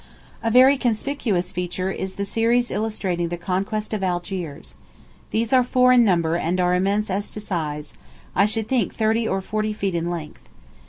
A very conspicuous feature is the series illustrating the conquest of Algiers. These are four in number, and are immense as to size I should think thirty or forty feet in length.